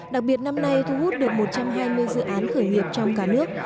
đặc biệt năm nay thu hút được một trăm hai mươi dự án khởi nghiệp trong cả nước